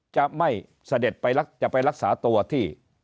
จะไม่เสด็จไปจะไปรักษาตัวที่